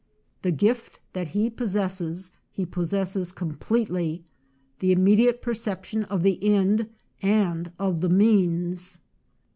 The gift that he possess es he possesses completely â the imme diate perception of the end and of the means.